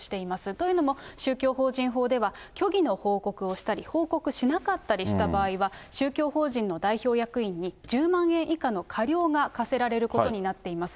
というのも、宗教法人法では、虚偽の報告をしたり、報告しなかったりした場合は、宗教法人の代表役員に１０万円以下の過料が科せられることになっています。